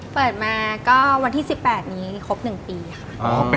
เปิดมาก็วันที่๑๘นี้ครบ๑ปีค่ะ